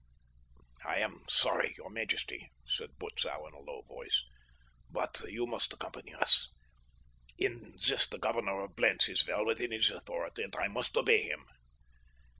"I am sorry, your majesty," said Butzow in a low voice, "but you must accompany us. In this the governor of Blentz is well within his authority, and I must obey him."